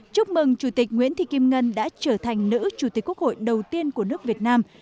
chúc mừng chủ tịch nguyễn thị kim ngân đã trở thành nữ chủ tịch quốc hội đầu tiên của nước việt nam